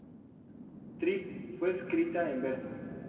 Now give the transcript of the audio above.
Trip", fue escrita en verso.